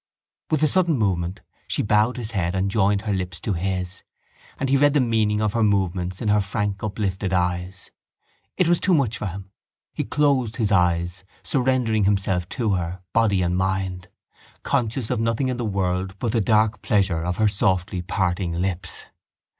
With a sudden movement she bowed his head and joined her lips to his and he read the meaning of her movements in her frank uplifted eyes. It was too much for him. He closed his eyes, surrendering himself to her, body and mind, conscious of nothing in the world but the dark pressure of her softly parting lips.